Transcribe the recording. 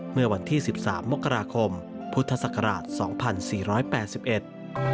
เมื่อวันที่๑๓มกราคมพุทธศักราช๒๔๘๑